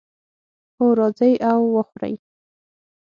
هو، راځئ او وخورئ